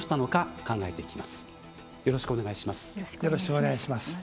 よろしくお願いします。